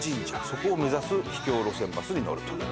そこを目指す秘境路線バスに乗ると。